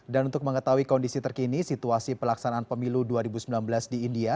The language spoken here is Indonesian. dan untuk mengetahui kondisi terkini situasi pelaksanaan pemilu dua ribu sembilan belas di india